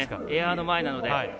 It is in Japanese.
エアの前なので。